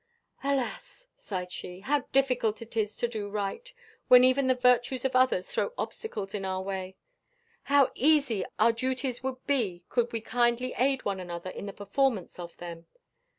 "Alas!" sighed she, "how difficult it is to do right, when even the virtues of others throw obstacles in our way! And how easy our duties would be could we kindly aid one another in the performance of them!"